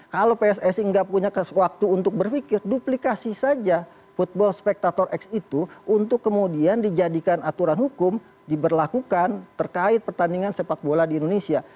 kalau pssi nggak punya waktu untuk berpikir duplikasi saja football spectator x itu untuk kemudian dijadikan aturan hukum diberlakukan terkait pertandingan sepak bola di indonesia